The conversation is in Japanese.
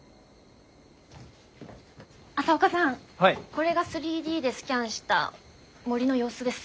これが３Ｄでスキャンした森の様子です。